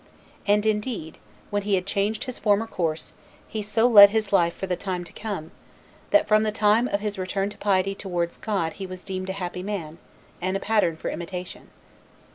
And indeed, when he had changed his former course, he so led his life for the time to come, that from the time of his return to piety towards God he was deemed a happy man, and a pattern for imitation.